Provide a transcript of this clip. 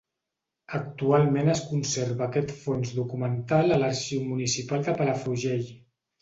Actualment es conserva aquest fons documental a l'Arxiu Municipal de Palafrugell.